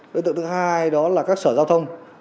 đối tượng thứ hai đó là các sở giao thông